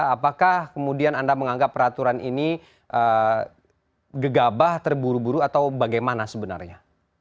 apakah kemudian anda menganggap peraturan ini gegabah terburu buru atau bagaimana sebenarnya